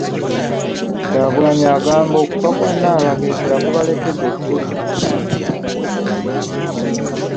Kyagulanyi agamba okufa kwa Nabagesera kubalekedde ekituli ekyamaanyi mu kibiina.